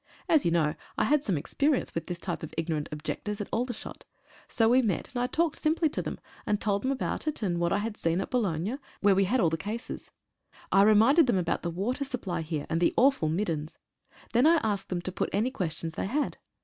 As you know, I had some experience with this type of ignorant objectors at Aldershot. So we met, and I talked simply to them, and told them about it, and what I had seen in Boulogne, where we had all the cases. I reminded them about the water supply here, and the awful "middens." Then I asked them to put any questions they had.